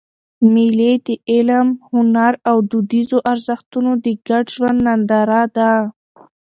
مېلې د علم، هنر او دودیزو ارزښتو د ګډ ژوند ننداره ده.